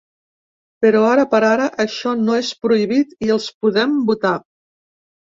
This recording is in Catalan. Però, ara per ara, això no és prohibit i els podem votar.